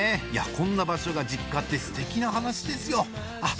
こんな場所が実家ってステキな話ですよあっ